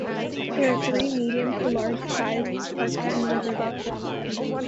There are three medium to large sized parks in Riverdale.